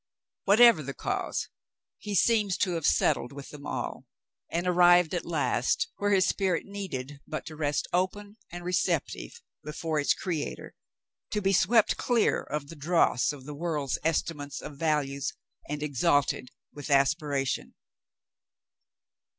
Whatever the cause, he seemed to have settled with them all, and arrived at last where his spirit needed but to rest open and receptive before its Creator to be swept clear of the dross of the world's estimates of values, and exalted with aspiration.